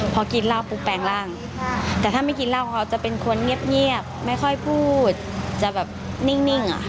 พอกินเหล้าปุ๊บแปลงร่างแต่ถ้าไม่กินเหล้าเขาจะเป็นคนเงียบไม่ค่อยพูดจะแบบนิ่ง